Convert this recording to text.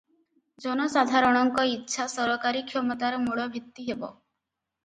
ଜନସାଧାରଣଙ୍କ ଇଚ୍ଛା ସରକାରୀ କ୍ଷମତାର ମୂଳଭିତ୍ତି ହେବ ।